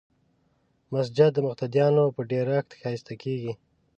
مسجد د مقتدیانو په ډېرښت ښایسته کېږي.